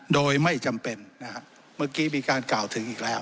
โดยไม่จำเป็นนะฮะเมื่อกี้มีการกล่าวถึงอีกแล้ว